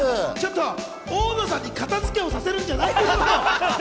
大野さんに、片付けをさせるんじゃないよ！